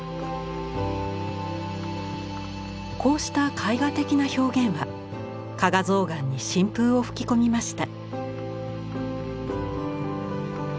こうした絵画的な表現は加賀象嵌に新風を吹き込みました。